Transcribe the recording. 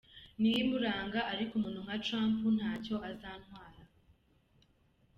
Niyo imuranga ariko umuntu nka Trump ntacyo azantwara.